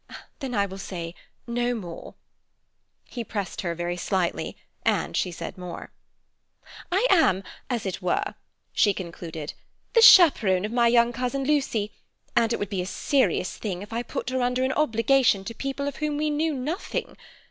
"Then I will say no more." He pressed her very slightly, and she said more. "I am, as it were," she concluded, "the chaperon of my young cousin, Lucy, and it would be a serious thing if I put her under an obligation to people of whom we know nothing.